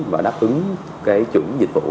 và đáp ứng chủng dịch vụ